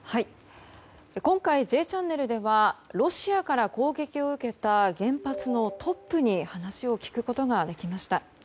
今回「Ｊチャンネル」ではロシアから攻撃を受けた原発のトップに話を聞くことができました。